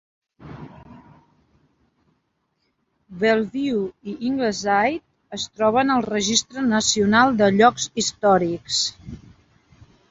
Belleview i Ingleside es troben al registre nacional de llocs històrics.